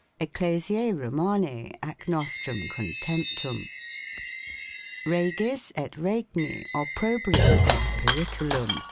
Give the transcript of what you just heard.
ecclesie Romarie ac nostrum contemptum. Regis et Regni obprobrium et periculum.